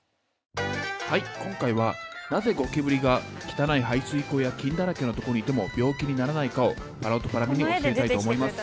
はい今回はなぜゴキブリが汚い排水溝や菌だらけのとこにいても病気にならないかをぱらおとぱらみに教えたいと思います。